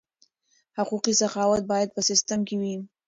حقوقي سخاوت باید په سیستم کې وي.